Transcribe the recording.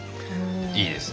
いいですね。